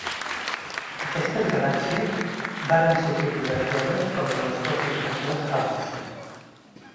Aquestes galàxies varen ser fotografiades pel Telescopi espacial Hubble.